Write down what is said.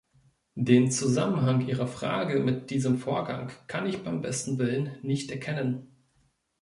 Den Zusammenhang Ihrer Frage mit diesem Vorgang kann ich beim besten Willen nicht erkennen.